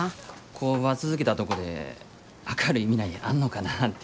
工場続けたとこで明るい未来あんのかなぁて。